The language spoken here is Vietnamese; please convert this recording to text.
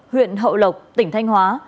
huyện hậu lộc tỉnh thanh hóa